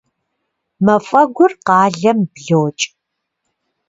Мафӏэгур къалэм блокӏ.